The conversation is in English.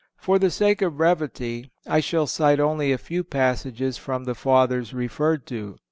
For the sake of brevity I shall cite only a few passages from the Fathers referred to.